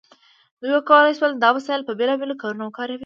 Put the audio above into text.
دوی وکولی شول دا وسایل په بیلابیلو کارونو وکاروي.